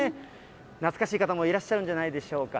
懐かしい方もいらっしゃるんじゃないでしょうか。